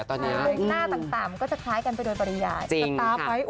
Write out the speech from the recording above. คลื่นหน้าต่างมันก็จะคล้ายกันไปโดยภรรยา